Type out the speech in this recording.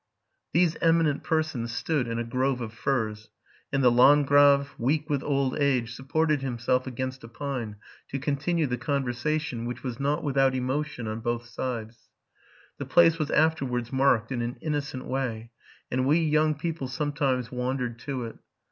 These eminent persons stood in a grove of firs; and the landgrave, weak with old age, supported himself against a pine, to continue the conversation, which was not without emotion on both sides. The place was afterwards marked in an innocent way, and we young people sometimes wandered to it.